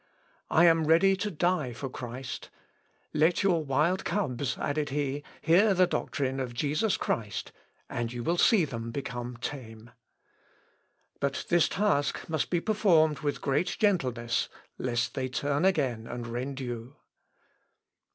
I am ready to die for Christ. Let your wild cubs," added he, "hear the doctrine of Jesus Christ, and you will see them become tame. But this task must be performed with great gentleness, lest they turn again and rend you."